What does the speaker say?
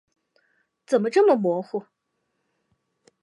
怎么这么模糊？